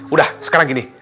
udah sekarang gini